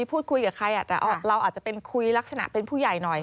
พูดคุยกับใครแต่เราอาจจะเป็นคุยลักษณะเป็นผู้ใหญ่หน่อย